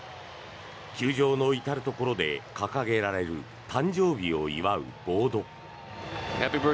球場の至るところで掲げられる誕生日を祝うボード。